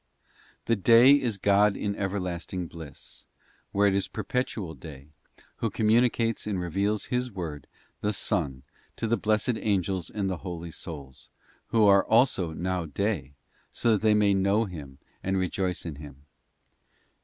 't The 'day' is God in everlasting bliss, where it is perpetual day, who communicates and reveals His Word, the Son, to the blessed angels and the holy souls, _ who are also now day, so that they may know Him and re joice in Him.